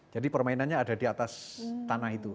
jadi permainannya ada di atas tanah itu